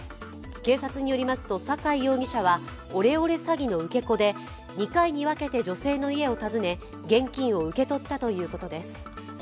警察によりますと、阪井容疑者はオレオレ詐欺の受け子で２回に分けて女性の家を訪ね現金を受け取ったということです。